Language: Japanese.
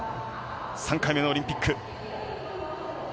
３回目のオリンピック。